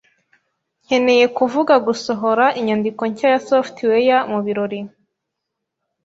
nkeneye kuvuga gusohora inyandiko nshya ya software mu birori.